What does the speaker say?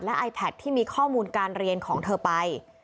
ไอแพทที่มีข้อมูลการเรียนของเธอไป